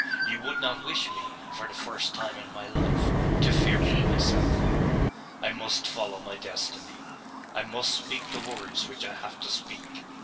You would not wish me, for the first time in my life, to fear for myself. I must follow my destiny. I must speak the words which I have to speak.